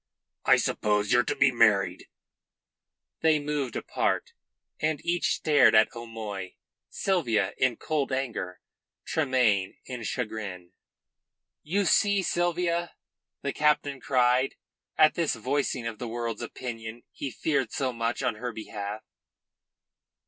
I suppose you're to be married." They moved apart, and each stared at O'Moy Sylvia in cold anger, Tremayne in chagrin. "You see, Sylvia," the captain cried, at this voicing of the world's opinion he feared so much on her behalf.